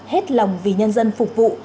hết lòng vì nhân dân phục vụ